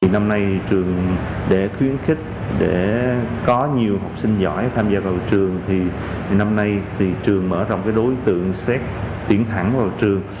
năm nay trường để khuyến khích để có nhiều học sinh giỏi tham gia vào trường thì năm nay thì trường mở rộng đối tượng xét tuyển thẳng vào trường